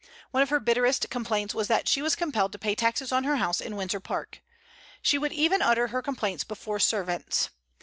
One of her bitterest complaints was that she was compelled to pay taxes on her house in Windsor Park. She would even utter her complaints before servants.